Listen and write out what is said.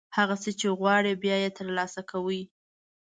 هغه څه چې غواړئ، بیا یې ترلاسه کوئ.